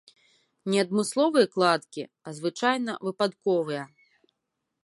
Не адмысловыя кладкі, а, звычайна, выпадковыя.